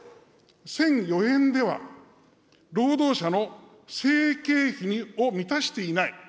１００４円では、労働者の生計費を満たしていない。